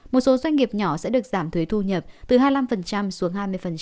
một số doanh nghiệp nhỏ sẽ được giảm thuế thu nhập từ hai mươi năm xuống hai mươi